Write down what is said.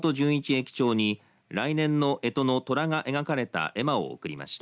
駅長に来年のえとの、とらが描かれた絵馬を送りました。